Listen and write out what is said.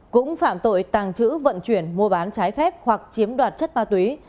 cũng phạm tội tàng trữ vận chuyển mua bán trái phép hoặc chiếm đoạt chất ma túy